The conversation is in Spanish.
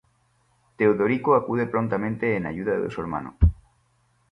Teodorico acude prontamente en ayuda de su hermano.